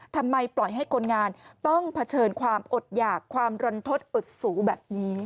ทำไมปล่อยให้คนงานต้องเผชิญความอดหยากความรันทศอดสูแบบนี้